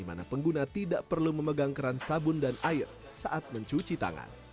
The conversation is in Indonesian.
di mana pengguna tidak perlu memegang keran sabun dan air saat mencuci tangan